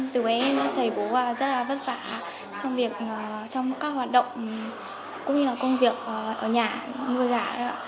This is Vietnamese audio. từ bấy giờ em thấy bố rất là vất vả trong việc trong các hoạt động cũng như là công việc ở nhà nuôi gà